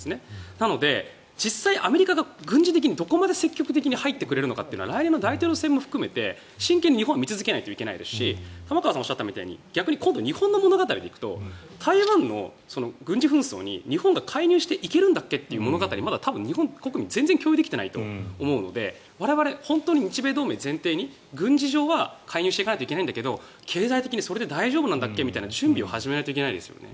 なので、実際アメリカがどこまで積極的に入ってくれるのかは来年の大統領選も含めて真剣に日本は見続けないといけないですし玉川さんがおっしゃったように今度、日本の物語で言うと台湾の軍事紛争に日本は介入していけるんだっけという物語をまだ多分、日本国民は全然共有できていないと思うので我々は日米同盟を前提に軍事上は介入しないといけないんだけど経済的にそれで大丈夫なのかという準備を始めないといけないですよね。